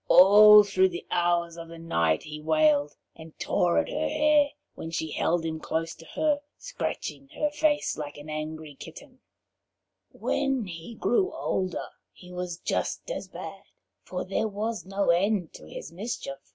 All through the hours of the night he wailed, and tore at her hair when she held him close to her, scratching her face like an angry kitten. [Illustration: Rose Marie and the Poupican] When he grew older, he was just as bad, for there was no end to his mischief.